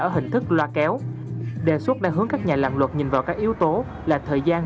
ở hình thức loa kéo đề xuất đang hướng các nhà làm luật nhìn vào các yếu tố là thời gian